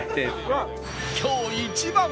今日一番！